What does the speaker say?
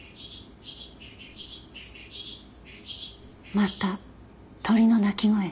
「」また鳥の鳴き声。